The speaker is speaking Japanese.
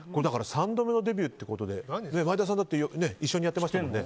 ３度目のデビューということで前田さんだって一緒にやってましたもんね。